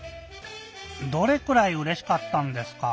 どれくらいうれしかったんですか？